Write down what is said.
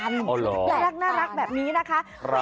อ๋อเหรอแปลกตานะแปลกน่ารักแบบนี้นะคะ